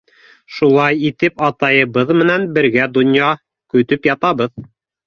Шулай итеп атайыбыҙ менән бергә донъя көтөп ятабыҙ.